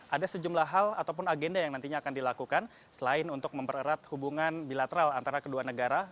ada sejumlah hal ataupun agenda yang nantinya akan dilakukan selain untuk mempererat hubungan bilateral antara kedua negara